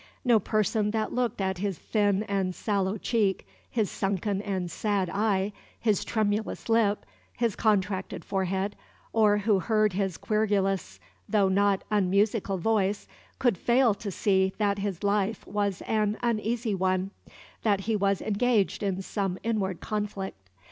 No person that looked at his thin and sallow cheek, his sunken and sad eye, his tremulous lip, his contracted forehead, or who heard his querulous, though not unmusical voice, could fail to see that his life was an uneasy one, that he was engaged in some inward conflict.